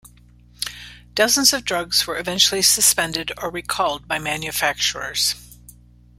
Dozens of drugs were eventually suspended or recalled by manufacturers.